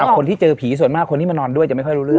คนที่เจอผีส่วนมากคนที่มานอนด้วยจะไม่ค่อยรู้เรื่อง